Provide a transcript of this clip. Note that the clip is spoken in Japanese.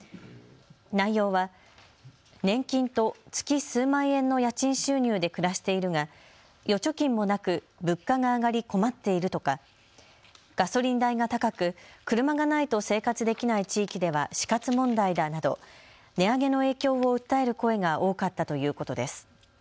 内容は年金と月数万円の家賃収入で暮らしているが預貯金もなく物価が上がり困っているとかガソリン代が高く車がないと生活できない地域では死活問題だなど値上げの影響を訴える声が多かったということです。